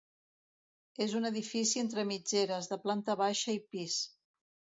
És un edifici entre mitgeres, de planta baixa i pis.